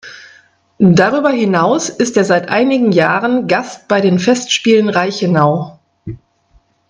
Darüber hinaus ist er seit einigen Jahren Gast bei den Festspielen Reichenau.